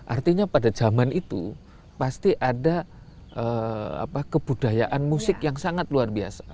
artinya pada zaman itu pasti ada kebudayaan musik yang sangat luar biasa